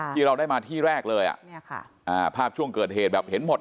ที่เราได้มาที่แรกเลยอ่ะภาพช่วงเกิดเหตุแบบเห็นหมด